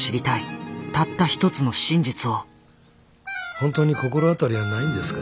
本当に心当たりはないんですか？